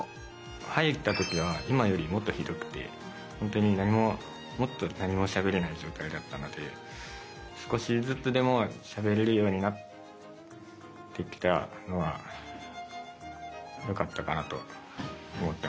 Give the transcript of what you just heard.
入った時は今よりもっとひどくて本当に何ももっと何もしゃべれない状態だったので少しずつでもしゃべれるようになってきたのはよかったかなと思ってます。